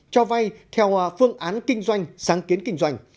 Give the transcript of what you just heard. cho vay theo phương án kinh doanh sáng kiến kinh doanh